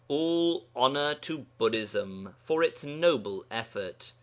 All honour to Buddhism for its noble effort.